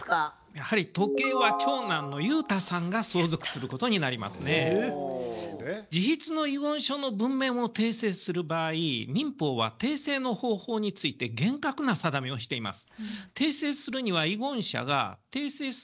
やはり時計は自筆の遺言書の文面を訂正する場合民法は訂正の方法について厳格な定めをしています。